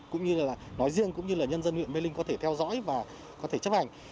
cũng như là nói riêng cũng như là nhân dân huyện mê linh có thể theo dõi và có thể chấp hành